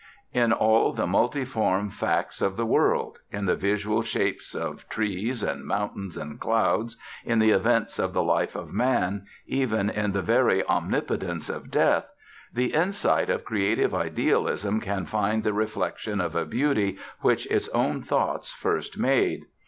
In all the multiform facts of the world in the visual shapes of trees and mountains and clouds, in the events of the life of man, even in the very omnipotence of Death the insight of creative idealism can find the reflection of a beauty which its own thoughts first made.